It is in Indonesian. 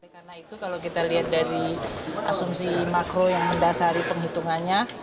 karena itu kalau kita lihat dari asumsi makro yang mendasari penghitungannya